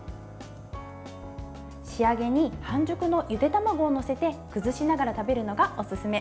仕上げに半熟のゆで卵を載せて崩しながら食べるのが、おすすめ。